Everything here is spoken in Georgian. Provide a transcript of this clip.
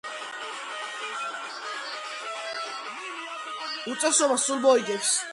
ამიტომაც მას ოთხ ნაწილად ყოფენ და დიდი მარხვის პირველ ოთხ დღეს კითხულობენ.